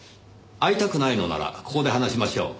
会いたくないのならここで話しましょう。